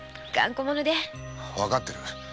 わかってる。